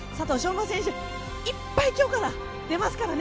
馬選手いっぱい今日から出ますからね。